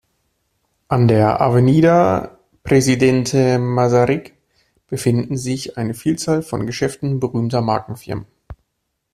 An der Avenida Presidente Masaryk befinden sich eine Vielzahl von Geschäften berühmter Markenfirmen.